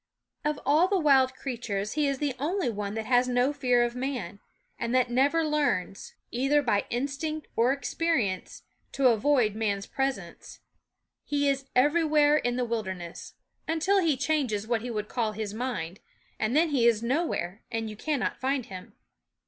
Of all the wild creatures he is the only one that has no fear of man, and that never learns, SCHOOL OF 222 l/nk Tk/unk either by instinct or experience, to avoid man's presence. He is everywhere in the wilderness, until he changes what he would call his mind ; and then he is nowhere, and you cannot find him.